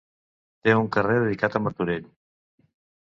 Té un carrer dedicat a Martorell.